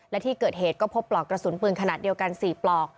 และที่เกิดเหตุก็พบปลอกกระสุนปืนขนาดเดียวกัน๔ปลอก